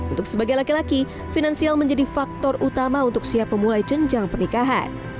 untuk sebagai laki laki finansial menjadi faktor utama untuk siap memulai jenjang pernikahan